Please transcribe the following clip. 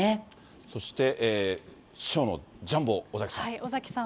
そして師匠のジャンボ尾崎さん。